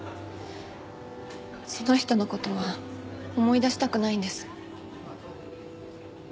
その人の事は思い出したくないんです。